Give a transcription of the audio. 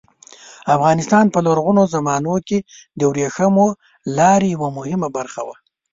افغانستان په لرغونو زمانو کې د ورېښمو لارې یوه مهمه برخه وه.